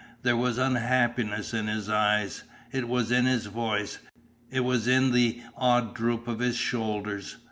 There was unhappiness in his eyes. It was in his voice. It was in the odd droop of his shoulders.